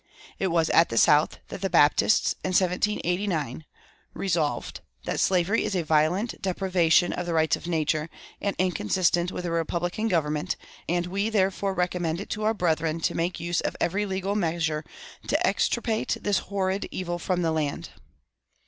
It was at the South that the Baptists, in 1789, "Resolved, That slavery is a violent deprivation of the rights of nature, and inconsistent with a republican government, and we therefore recommend it to our brethren to make use of every legal measure to extirpate this horrid evil from the land."